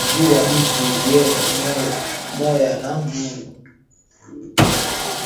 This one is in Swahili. Siri ya mutu inajuwa mutu ye moya na Mungu